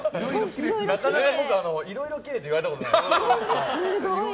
なかなか僕いろいろきれいと言われたことないです。